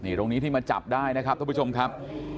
ตรงนี้ที่มาจับได้นะครับทุกผู้ชมครับ